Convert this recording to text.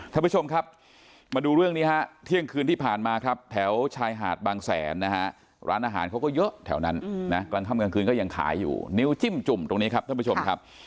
ท่านผู้ชมครับมาดูเรื่องนี้ฮะเที่ยงคืนที่ผ่านมาครับแถวชายหาดบางแสนนะฮะร้านอาหารเขาก็เยอะแถวนั้นนะกลางค่ำกลางคืนก็ยังขายอยู่นิ้วจิ้มจุ่มตรงนี้ครับท่านผู้ชมครับ